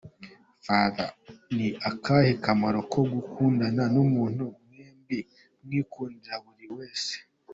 fr : Ni akahe kamaro ko gukundana n’umuntu mwebwi mwikunda buri wese ?.